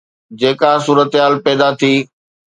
جيڪا صورتحال پيدا ٿي